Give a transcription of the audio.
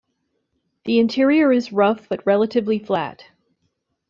The interior is rough but relatively flat.